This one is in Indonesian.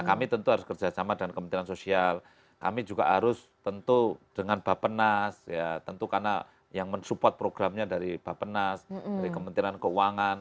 kami tentu harus kerjasama dengan kementerian sosial kami juga harus tentu dengan bapenas ya tentu karena yang mensupport programnya dari bapenas dari kementerian keuangan